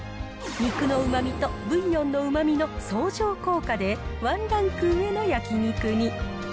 肉のうまみとブイヨンのうまみの相乗効果で、ワンランク上の焼肉に。